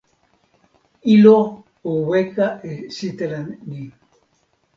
ilo o weka e sitelen ni.